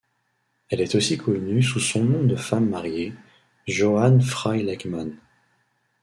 Elle est aussi connue sous son nom de femme mariée, Joan Fry-Lakeman.